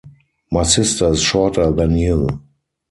My sister is shorter than you.